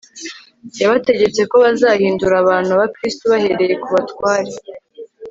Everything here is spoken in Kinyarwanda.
yabategetse ko bazahindura abantu abakristu bahereye ku batware